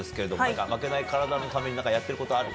負けない体のためにやってることある？